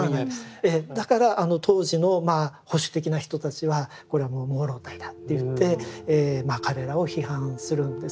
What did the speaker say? だから当時のまあ保守的な人たちはこれはもう朦朧体だって言ってまあ彼らを批判するんですね。